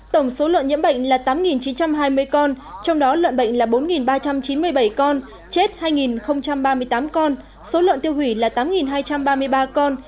tổng số lợn nhiễm bệnh là tám chín trăm hai mươi con trong đó lợn bệnh là bốn ba trăm chín mươi bảy con chết hai ba mươi tám con số lợn tiêu hủy là tám hai trăm ba mươi ba con